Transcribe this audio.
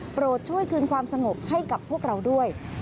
ช่วยคืนความสงบให้กับพวกเราด้วย